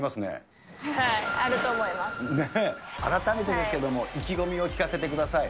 改めてですけれども、意気込みを聞かせてください。